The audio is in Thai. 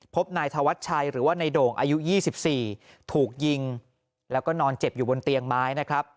พบนายธวัชชัยหรือว่าในโด่งอายุ๒๔ถูกยิงแล้วก็นอนเจ็บอยู่บนเตียงไม้นะครับ